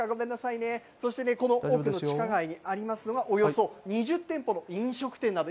そしてね、奥の地下街にありますのはおよそ２０店舗の飲食店。